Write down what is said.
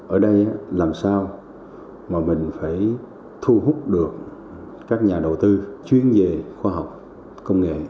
ở đây làm sao mà mình phải thu hút được các nhà đầu tư chuyên về khoa học công nghệ